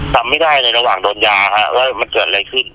จำไม่ได้ในระหว่างโดนยาว่ามันเกิดอะไรขึ้น